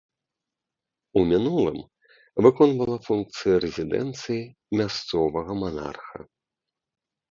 У мінулым выконвала функцыі рэзідэнцыі мясцовага манарха.